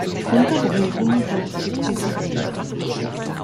Unterbrechung durch die Präsident.